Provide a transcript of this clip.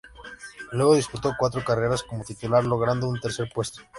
Luego disputó cuatro carreras como titular, logrando un tercer puesto.